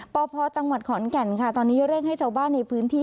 พพจังหวัดขอนแก่นค่ะตอนนี้เร่งให้ชาวบ้านในพื้นที่